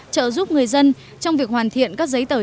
trợ giúp người dân trong việc hoàn thiện các giấy tài liệu